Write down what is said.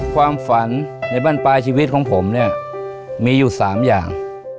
ความฝันในบ้านปลายชีวิตของผมเนี่ยมีอยู่๓อย่าง